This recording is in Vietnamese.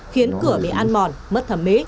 khiến cửa bị ăn mòn mất thẩm mế